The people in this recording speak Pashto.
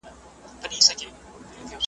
چي اغږلی یې د شر تخم په ذات دی `